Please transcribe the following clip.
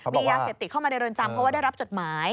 มียาเสพติดเข้ามาในเรือนจำเพราะว่าได้รับจดหมาย